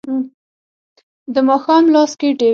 د ماښام لاس کې ډیوې